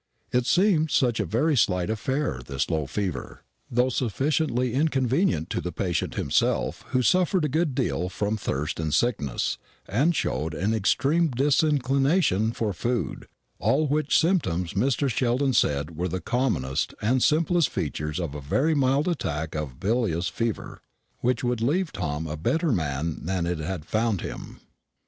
It seemed such a very slight affair this low fever, though sufficiently inconvenient to the patient himself, who suffered a good deal from thirst and sickness, and showed an extreme disinclination for food, all which symptoms Mr. Sheldon said were the commonest and simplest features of a very mild attack of bilious fever, which would leave Tom a better man than it had found him.